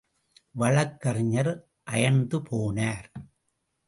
வழக்கறிஞர் அயர்ந்து போனார்.